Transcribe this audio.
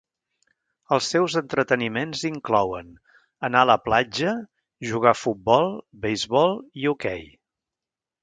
Els seus entreteniments inclouen, anar a la platja, jugar futbol, beisbol i hoquei.